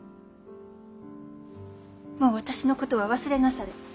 もう私のことは忘れなされ。